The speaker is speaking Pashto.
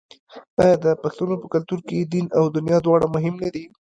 آیا د پښتنو په کلتور کې دین او دنیا دواړه مهم نه دي؟